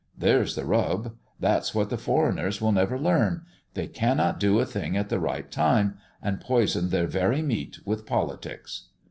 There's the rub. That's what the foreigners will never learn; they cannot do a thing at the right time, and poison their very meat with politics!